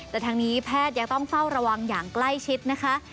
แต่ทางนี้แพทย์ยังต้องเฝ้าระวังอย่างใกล้ชิดนะคะ